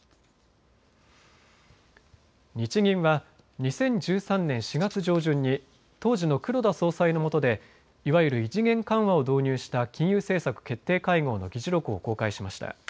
日銀は２０１３年４月上旬に当時の黒田総裁のもとでいわゆる異次元緩和を導入した金融政策決定会合の議事録を公開しました。